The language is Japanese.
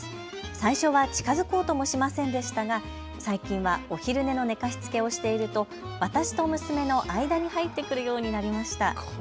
最初は近づこうともしませんでしたが最近はお昼寝の寝かしつけをしていると、私と娘の間に入ってくるようになりました。